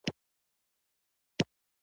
خاموشي مې شپه د ځان کړله پروین شوم